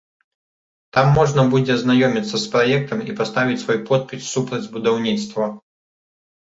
Там можна будзе азнаёміцца з праектам і паставіць свой подпіс супраць будаўніцтва.